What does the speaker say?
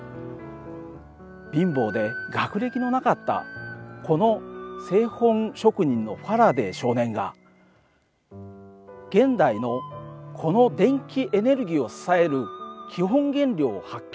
貧乏で学歴のなかったこの製本職人のファラデー少年が現代のこの電気エネルギーを支える基本原理を発見する